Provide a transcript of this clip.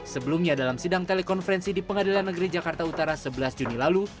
sebelumnya dalam sidang telekonferensi di pengadilan negeri jakarta utara sebelas juni lalu